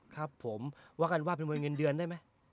ครับผมว่ากันว่าเป็นมวยเงินเดือนได้ไหม